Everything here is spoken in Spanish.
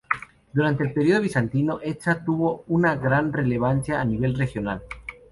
Durante el periodo bizantino, Edesa tuvo una gran relevancia a nivel regional.